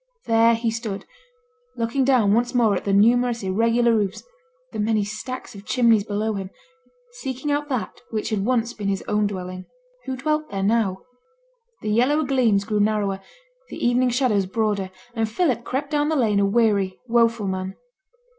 There he stood, looking down once more at the numerous irregular roofs, the many stacks of chimneys below him, seeking out that which had once been his own dwelling who dwelt there now? The yellower gleams grew narrower; the evening shadows broader, and Philip crept down the lane a weary, woeful man.